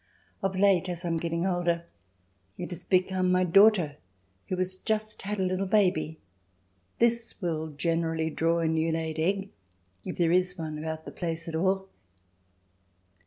Of late, as I am getting older, it has become my daughter who has just had a little baby. This will generally draw a new laid egg, if there is one about the place at all.